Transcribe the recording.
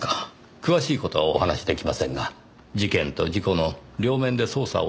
詳しい事はお話し出来ませんが事件と事故の両面で捜査をしているようです。